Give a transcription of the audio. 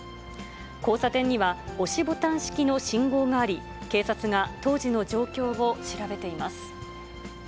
交差点には、押しボタン式の信号があり、警察が当時の状況を調べ